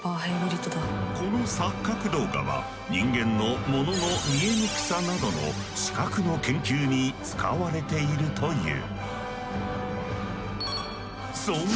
この錯覚動画は人間の物の見えにくさなどの視覚の研究に使われているという。